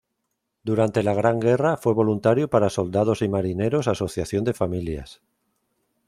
Durante la Gran Guerra, fue voluntario para Soldados' y Marineros' Asociación de Familias.